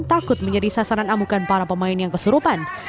takut menjadi sasaran amukan para pemain yang kesurupan